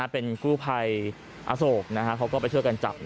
เป็นกู้ภัยอโศกเขาก็ไปช่วยกันจับ